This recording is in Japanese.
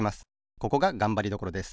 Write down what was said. ここががんばりどころです。